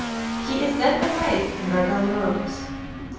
He is then arrayed in regal robes.